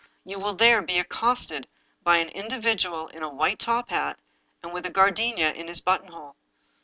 You will there be accosted by an in dividual in a v/hite top hat, and with a gardenia in his buttonhole.